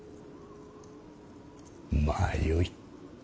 まあよい。